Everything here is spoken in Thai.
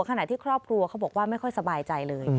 ขณะที่ครอบครัวเขาบอกว่าไม่ค่อยสบายใจเลย